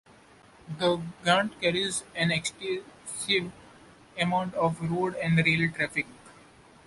The ghat carries an extensive amount of road and rail traffic.